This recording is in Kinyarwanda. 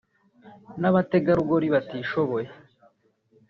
n’abategarugori batishoboye